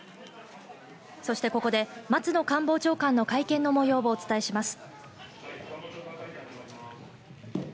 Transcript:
ここで松野官房長官の会見の模様をお伝えします。